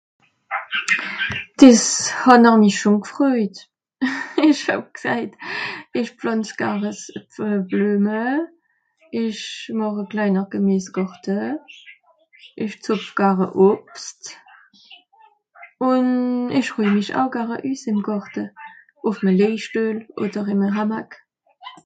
des hànn'r mi schon g'freujt esch hàb g'saijt esch pflantz garn Blueme esch màche a kleiner gemeiss Gàrte esch zupf garn Obst o esch rueje mìch eu garn üss im garte ùff'm leijstuhl oder im e Hammack